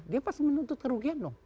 dia pasti menuntut kerugian loh